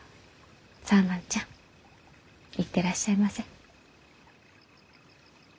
さあ万ちゃん行ってらっしゃいませ。